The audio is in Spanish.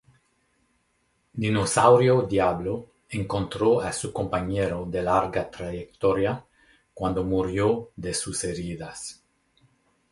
Dinosaurio Diablo encontró a su compañero de larga trayectoria cuando murió de sus heridas.